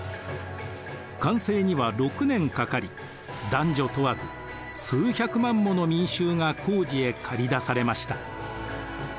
完成には６年かかり男女問わず数百万もの民衆が工事へかり出されました。